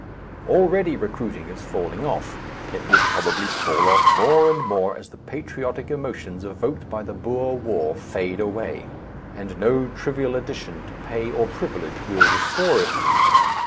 Already recruiting is falling off, it will probably fall off more and more as the patriotic emotions evoked by the Boer War fade away, and no trivial addition to pay or privilege will restore it.